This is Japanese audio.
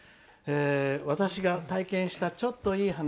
「私が体験したちょっといい話」。